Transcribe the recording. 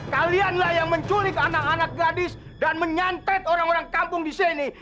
kalianlah yang menculik anak anak gadis dan menyantet orang orang kampung di sini